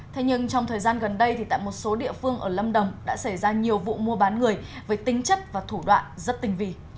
thế nhưng trong thời gian gần đây thì tại một số địa phương ở lâm đồng đã xảy ra nhiều vụ mua bán người với tính chất và thủ đoạn rất tình vị